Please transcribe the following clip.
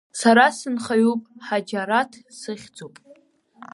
Сара сынхаҩуп, Ҳаџьараҭ сыхьӡуп.